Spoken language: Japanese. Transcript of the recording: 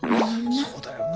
そうだよね。